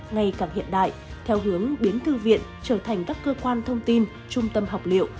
ngày càng hiện đại theo hướng biến thư viện trở thành các cơ quan thông tin trung tâm học liệu